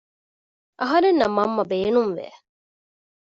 އަހަރެންނަށް މަންމަ ބޭނުންވެ